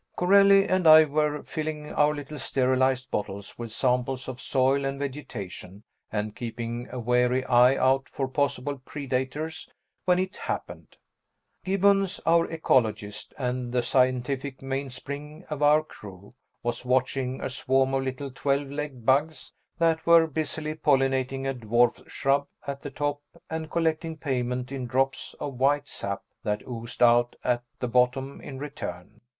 Corelli and I were filling our little sterilized bottles with samples of soil and vegetation and keeping a wary eye out for possible predators when it happened. Gibbons, our ecologist and the scientific mainspring of our crew, was watching a swarm of little twelve legged bugs that were busily pollinating a dwarf shrub at the top and collecting payment in drops of white sap that oozed out at the bottom in return.